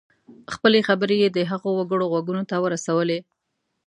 خپلې خبرې یې د هغو وګړو غوږونو ته ورسولې.